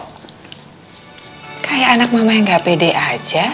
kamu kok kayak anak mama yang gak pede aja